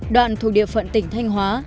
đoạn thuộc địa phận tỉnh thanh hóa